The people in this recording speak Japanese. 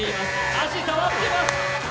足、触ってます。